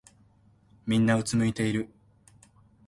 みんなうつむいてる。